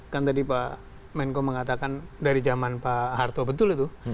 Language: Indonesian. kan tadi pak menko mengatakan dari zaman pak harto betul itu